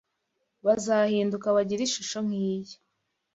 Bazahinduka bagire ishusho nki Ye